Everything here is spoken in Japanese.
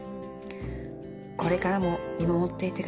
これからも見守っていて下さい。